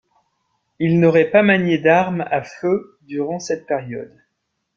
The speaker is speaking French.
Il n'aurait pas manié d'armes à feu durant cette période.